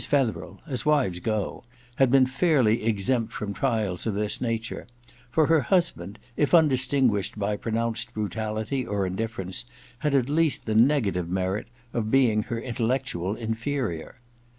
Fetherel, as wives go, had been fairly exempt from trials of this nature, for her II EXPIATION 95 husband, if undistinguished by pronounced brutality or indifference, had at least the negative merit of being her intellectual inferior.